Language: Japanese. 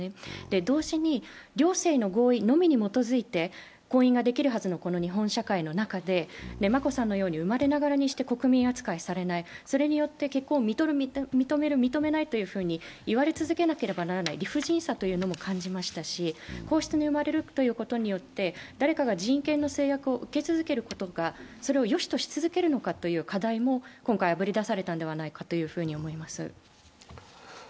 同時に両性の合意のみに基づいて婚姻ができるはずのこの日本社会の中で、眞子さんのように生まれながらにして国民扱いされない、それによって結婚を認める、認めないと言われ続けなければならない理不尽さというのも感じましたし、皇室に生まれることによって、誰かが人権の制約を受け続けることがそれをよしとし続けるのかという課題も今回、あぶり出されたのではないかと思います。